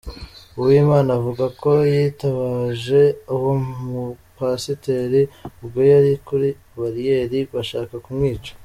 Uwimana avuga ko yitabaje uwo mupasiteri ubwo yari kuri bariyeri bashaka kumwica.